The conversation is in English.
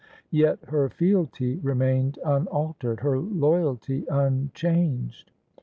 Yet her fealty remained un altered, her loyalty unchanged.